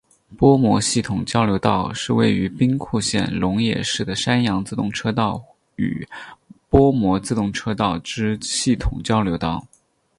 播磨系统交流道是位于兵库县龙野市的山阳自动车道与播磨自动车道之系统交流道。